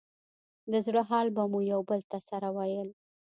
د زړه حال به مو يو بل ته سره ويل.